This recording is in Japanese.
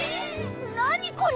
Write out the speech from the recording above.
何これ！